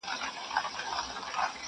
شپه د ژمي هم سړه وه هم تياره وه -